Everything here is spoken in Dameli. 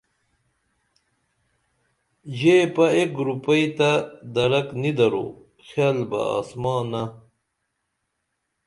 ژیپہ ایک رُپئی تہ درک نی درو حیال بہ آسمانہ